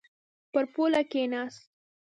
پر پوله کښېناست.